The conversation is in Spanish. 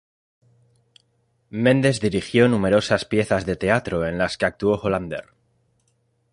Mendes dirigió numerosas piezas de teatro en las que actuó Hollander.